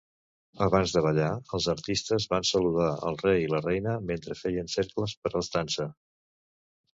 Abans de ballar, els artistes van saludar el rei i la reina mentre feien cercles per l'estança.